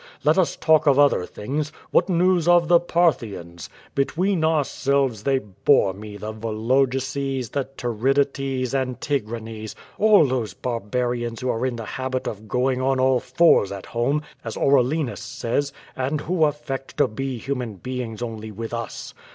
Let us talk of other things: what news of the Parthians? Between ourselves, they bore me, the Vologeses, the Tiridates and Tig ranes — ^all those barbarians who are in the habit of going on all fours at home, as Arulenus says, and who affect to be hu man beings only with us.